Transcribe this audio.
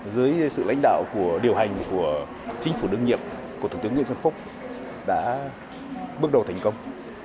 dưới sự lãnh đạo của điều hành của chính phủ đương nhiệm của thủ tướng nguyễn xuân phúc đã bước đầu thành công